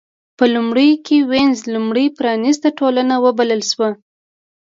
په لومړیو کې وینز لومړۍ پرانېسته ټولنه وبلل شوه.